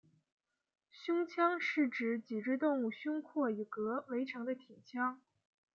胸腔是指脊椎动物胸廓与膈围成的体腔。